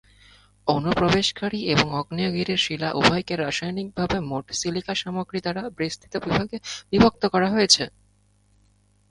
অনুপ্রবেশকারী এবং আগ্নেয়গিরির শিলা উভয়কেই রাসায়নিকভাবে মোট সিলিকা সামগ্রী দ্বারা বিস্তৃত বিভাগে বিভক্ত করা হয়েছে।